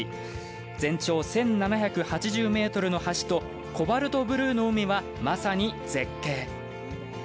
全長１７８０ｍの橋とコバルトブルーの海はまさに絶景。